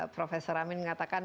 prof amin mengatakan